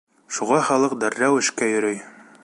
Шуға халыҡ дәррәү эшкә йөрөй.